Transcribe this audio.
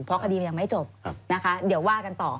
เพราะคดีมันยังไม่จบนะคะเดี๋ยวว่ากันต่อ